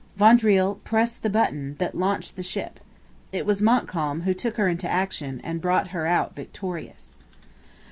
Vaudreuil pressed the button that launched the ship. It was Montcalm who took her into action and brought her out victorious.